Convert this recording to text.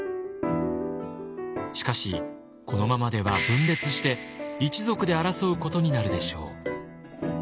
しかしこのままでは分裂して一族で争うことになるでしょう。